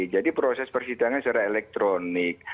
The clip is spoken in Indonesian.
jadi proses persidangan secara elektronik